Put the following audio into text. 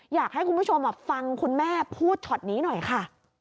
อยากให้คุณผู้ชมฟังคุณแม่พูดช็อตนี้หน่อยค่ะ